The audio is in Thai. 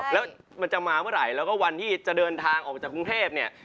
แล้วมันจะมาเมื่อไหร่แล้วก็วันที่จะเดินทางออกมาจากกรุงเทพเนี่ย